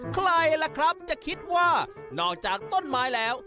ใครล่ะครับจะคิดว่านอกจากต้นไม้แล้ว